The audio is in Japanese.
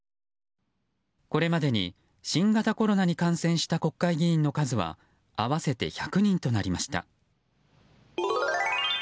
これまでに新型コロナに感染した国会議員の数は合わせて１００人となりました。